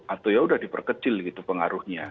atau ya udah diperkecil gitu pengaruhnya